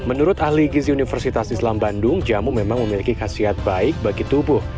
menurut ahli gizi universitas islam bandung jamu memang memiliki khasiat baik bagi tubuh